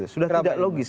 sudah tidak logis